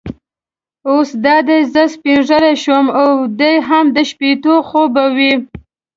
اوس دا دی زه سپینږیری شوم او دی هم د شپېتو خو به وي.